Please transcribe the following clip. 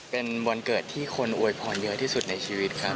เป็นวันเกิดที่คนอวยพรเยอะที่สุดในชีวิตครับ